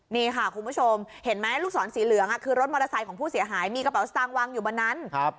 นี่ค่ะคุณผู้ชมเห็นไหมลูกศรสีเหลืองคือรถมอเตอร์ไซค์ของผู้เสียหายมีกระเป๋าสตางค์วางอยู่บนนั้น